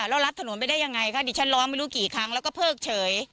แล้วรับถนนไปได้ยังไงคะดิฉันล้อมไม่รู้กี่ครั้งแล้วก็เพิกเฉย